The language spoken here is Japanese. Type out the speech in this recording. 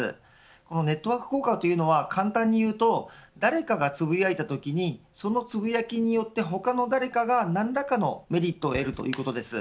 このネットワーク効果というのは簡単に言うと誰かがつぶやいたときにそのつぶやきによって他の誰かが何らかのメリットを得るということです。